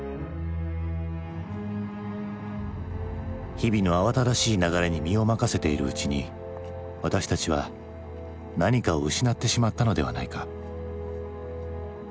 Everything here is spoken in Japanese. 日々の慌ただしい流れに身を任せているうちに私たちは何かを失ってしまったのではないか？